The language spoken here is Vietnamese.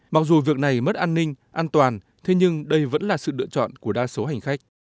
mặc dù việc này mất an ninh an toàn thế nhưng đây vẫn là sự lựa chọn của đa số hành khách